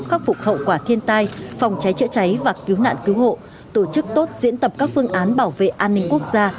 khắc phục hậu quả thiên tai phòng cháy chữa cháy và cứu nạn cứu hộ tổ chức tốt diễn tập các phương án bảo vệ an ninh quốc gia